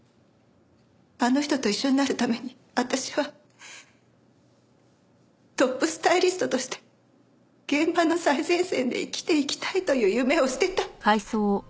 あの人と一緒になるために私はトップスタイリストとして現場の最前線で生きていきたいという夢を捨てた。